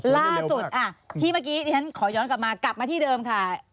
ล่าสุดที่เมื่อกี้ที่ฉันขอย้อนกลับมากลับมาที่เดิมค่ะ